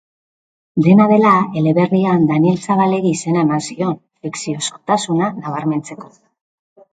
Dena dela, eleberrian Daniel Zabalegi izena eman zion, fikziozkotasuna nabarmentzeko.